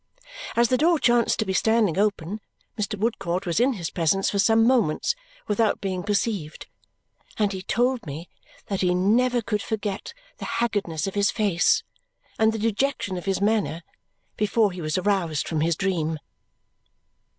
As the door chanced to be standing open, Mr. Woodcourt was in his presence for some moments without being perceived, and he told me that he never could forget the haggardness of his face and the dejection of his manner before he was aroused from his dream.